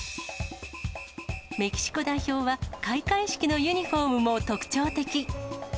メキシコ代表は、開会式のユニホームも特徴的。